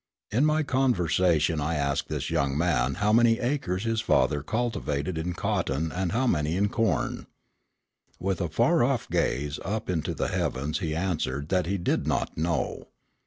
In my conversation I asked this young man how many acres his father cultivated in cotton and how many in corn. With a far off gaze up into the heavens he answered that he did not know.